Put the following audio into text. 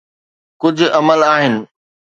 ڪجھ عمل آھن.